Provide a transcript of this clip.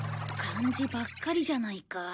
漢字ばっかりじゃないか。